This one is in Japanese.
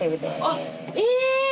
あっえぇ！